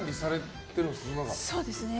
そうですね。